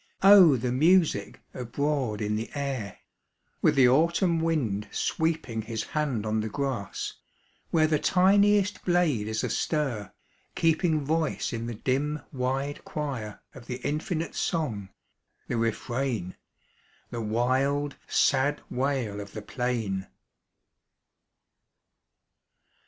O the music abroad in the air, With the autumn wind sweeping His hand on the grass, where The tiniest blade is astir, keeping Voice in the dim, wide choir, Of the infinite song, the refrain, The wild, sad wail of the plain